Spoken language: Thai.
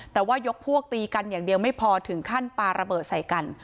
แต่ว่ายกพวกตีกันอย่างเดียวไม่พอถึงขั้นปลาระเบิดใส่กัน